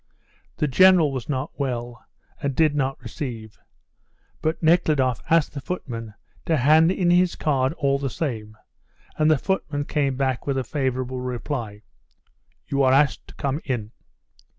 The General was not well, and did not receive; but Nekhludoff asked the footman to hand in his card all the same, and the footman came back with a favourable reply. "You are asked to come in."